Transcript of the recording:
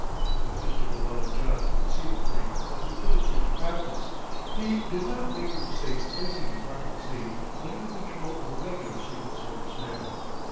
With Mr. Llewellyn John to conceive a thing was to put it into practice. He did not make the mistake of placing Department Z. under the control of a regular secret service man.